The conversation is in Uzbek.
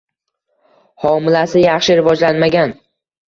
Homilasi yaxshi rivojlanmagan